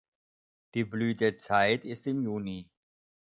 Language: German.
Die Blütezeit ist im Juni.